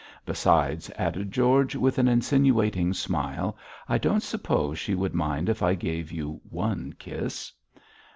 Besides,' added George, with an insinuating smile, 'I don't suppose she would mind if I gave you one kiss.'